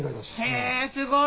へえすごいね。